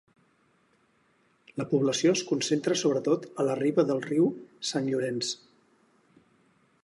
La població es concentra sobretot a la riba del riu Sant Llorenç.